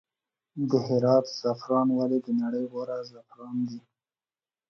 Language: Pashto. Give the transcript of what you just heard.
د هرات زعفران ولې د نړۍ غوره زعفران دي؟